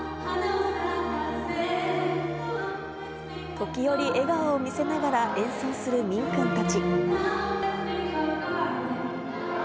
時折、笑顔を見せながら演奏するミン君たち。